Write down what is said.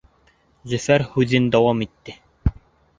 Зөфәр һүҙен дауам итте: